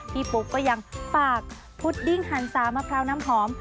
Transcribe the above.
ปุ๊กก็ยังฝากพุดดิ้งหันสามะพร้าวน้ำหอม